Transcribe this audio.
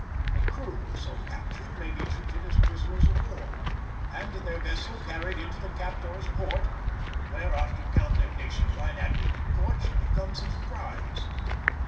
A crew so captured may be treated as prisoners of war, and their vessel carried into the captor's port, where after condemnation by an Admiralty court she becomes his prize.